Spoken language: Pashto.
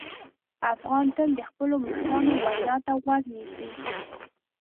افغان تل د خپلو مشرانو وینا ته غوږ نیسي.